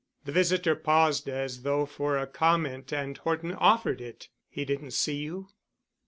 The visitor paused as though for a comment, and Horton offered it. "He didn't see you?"